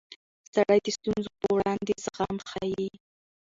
سړی د ستونزو پر وړاندې زغم ښيي